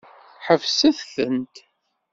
Ḥebset-tent!